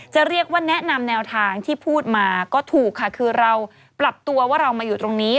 จะเรียกว่าแนะนำแนวทางที่พูดมาก็ถูกค่ะคือเราปรับตัวว่าเรามาอยู่ตรงนี้